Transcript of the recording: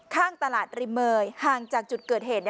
ข้างตลาดริเมย์ห่างจากจุดเกิดเหตุ